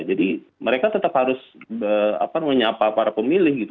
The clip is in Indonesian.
jadi mereka tetap harus menyapa para pemilih gitu